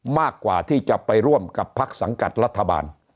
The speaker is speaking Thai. มากกว่าที่จะไปร่วมกับพักสังกัดรัฐบาล